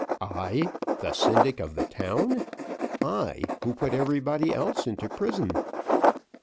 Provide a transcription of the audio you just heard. "I, the syndic of the town! I, who put everybody else into prison!"